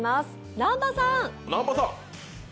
南波さん。